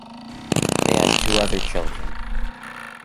They had two other children.